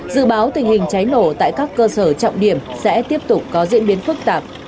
dự báo tình hình cháy nổ tại các cơ sở trọng điểm sẽ tiếp tục có diễn biến phức tạp